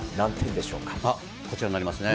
こちらになりますね。